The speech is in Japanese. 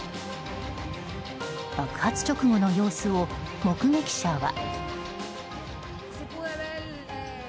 爆発直後の様子を目撃者は。